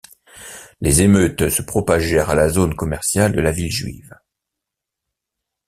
Les émeutes se propagèrent à la zone commerciale de la ville juive.